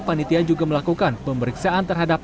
panitia juga melakukan pemeriksaan terhadap